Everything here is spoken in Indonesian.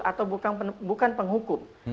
atau bukan penghukum